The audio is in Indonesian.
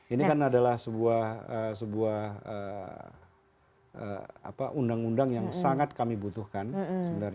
ini kan adalah sebuah undang undang yang sangat kami butuhkan sebenarnya